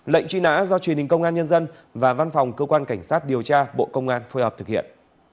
lệnh truy nã do truyền hình công an nhân dân và văn phòng cơ quan cảnh sát điều tra bộ công an phối hợp thực hiện